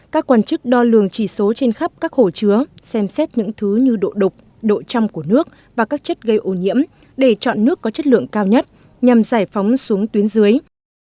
các quan chức đo lường chỉ số trên khắp các hồ chứa xem xét những thứ như độ đục độ trăm của nước và các chất gây ô nhiễm để chọn nước có chất lượng cao nhất nhằm giải phóng xuống tuyến dưới